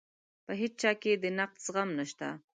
په هیچا کې د نقد زغم نشته.